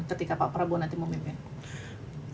ketika pak prabowo nanti memimpin